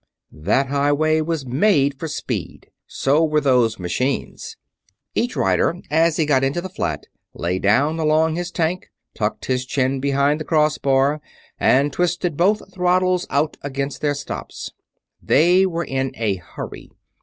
That highway was made for speed. So were those machines. Each rider, as he got into the flat, lay down along his tank, tucked his chin behind the cross bar, and twisted both throttles out against their stops. They were in a hurry.